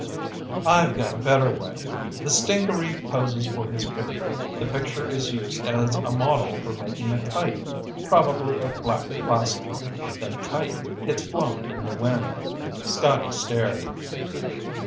"I've got a better way. The stingaree poses for his picture. The picture is used as a model for making a kite, probably of black plastic. The kite gets flown in the wind." Scotty stared.